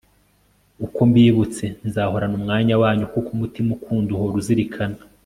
uko mbibutse nzahorana umwanya wanyu kuko umutima ukunda uhora uzirikana